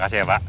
makasih ya pak